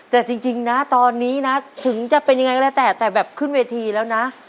แต่จริงนะตอนนี้นะถึงจะเป็นยังไงก็แล้วแต่แต่แบบขึ้นเวทีแล้วนะ